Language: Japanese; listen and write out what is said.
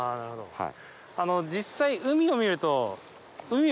はい。